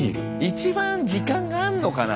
一番時間があんのかな